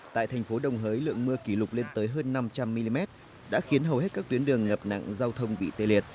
tại thành phố đồng hới lượng mưa kỷ lục lên tới hơn năm trăm linh mm đã khiến hầu hết các tuyến đường ngập nặng giao thông bị tê liệt